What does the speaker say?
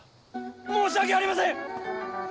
申し訳ありません！